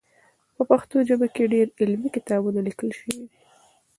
په پښتو ژبه کې ډېر علمي کتابونه لیکل سوي دي.